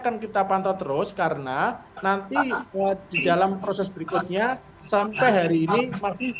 akan kita pantau terus karena nanti di dalam proses berikutnya sampai hari ini masih